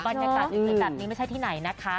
บรรยากาศเฉยแบบนี้ไม่ใช่ที่ไหนนะคะ